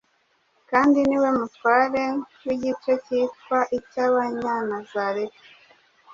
kandi ni we mutware w’igice cyitwa icy’Abanyanazareti.